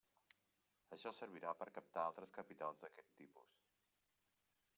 Això servirà per captar altres capitals d'aquest tipus.